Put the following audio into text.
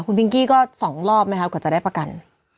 คุณพิงกี้ก็๒รอบไหมคะกว่าจะได้ประกัน